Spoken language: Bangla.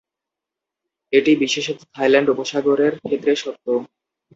এটি বিশেষত থাইল্যান্ড উপসাগরের ক্ষেত্রে সত্য।